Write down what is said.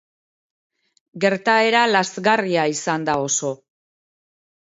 Gertaera lazgarria izan da oso.